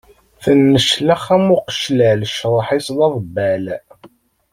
Tenneclax am uqeclal, cceḍḥ-is d aḍebbal.